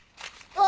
あ！